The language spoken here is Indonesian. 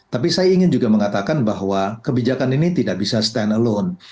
tapi saya ingin juga mengatakan bahwa kebijakan ini tidak bisa stand alone